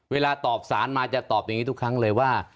เวลาตอบสารมาจะตอบอย่างนี้ทุกครั้งเลยว่า